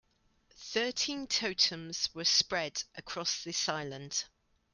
Thirteen totems were spread across this island.